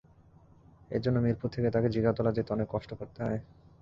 এ জন্য মিরপুর থেকে তাঁকে জিগাতলা যেতে অনেক কষ্ট করতে হয়।